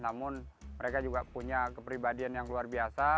namun mereka juga punya kepribadian yang luar biasa